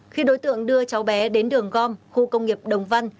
khi đối tượng đưa cháu bé đến đường gom khu công nghiệp đồng văn